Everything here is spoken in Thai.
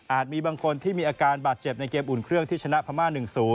มีคนที่มีอาการบาดเจ็บในเกมอุ่นเครื่องที่ชนะพม่า๑๐